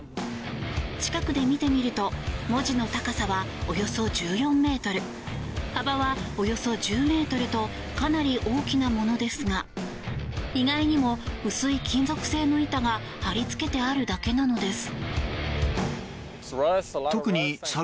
近くで見てみると文字の高さは、およそ１４ｍ幅は、およそ１０ｍとかなり大きなものですが意外にも、薄い金属製の板が張り付けてあるだけなのです。